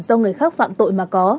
do người khác phạm tội mà có